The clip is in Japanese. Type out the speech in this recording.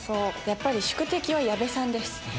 やっぱり宿敵は矢部さんです。